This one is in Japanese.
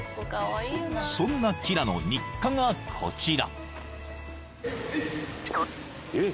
［そんなキラの日課がこちら］